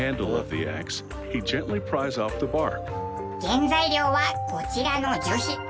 原材料はこちらの樹皮。